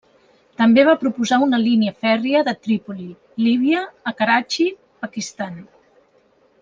També va proposar una línia fèrria de Trípoli, Líbia a Karachi, Pakistan.